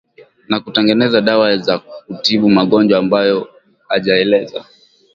na kutengeneza dawa za kutibu magonjwa ambayo hajaeleza